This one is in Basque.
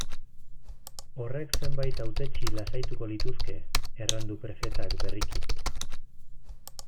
Horrek zenbait hautetsi lasaituko lituzke, erran du prefetak berriki.